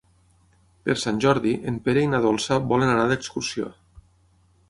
Per Sant Jordi en Pere i na Dolça volen anar d'excursió.